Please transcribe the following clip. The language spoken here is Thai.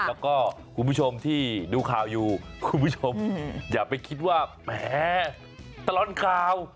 แล้วก็คุณผู้ชมที่ดูข่าวอยู่คุณผู้ชมอย่าไปคิดว่าแหมตลอดข่าว